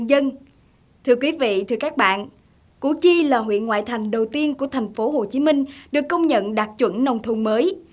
đây là huyện ngoại thành đầu tiên của thành phố hồ chí minh được công nhận đạt chuẩn nông thôn mới